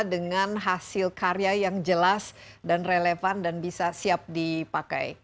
dengan hasil karya yang jelas dan relevan dan bisa siap dipakai